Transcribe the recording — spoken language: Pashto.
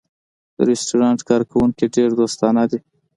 د رستورانت کارکوونکی ډېر دوستانه دی.